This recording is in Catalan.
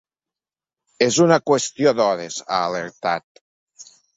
És una qüestió d’hores, ha alertat.